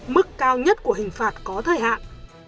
mức cao nhất của hình phạt có thời hạn